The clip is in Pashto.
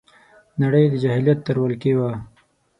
نړۍ د جاهلیت تر ولکې وه